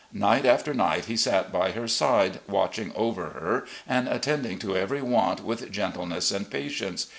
Night after night he sat by her side, watching over her and attending to every want with gentleness and patience.